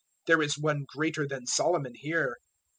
there is One greater than Solomon here.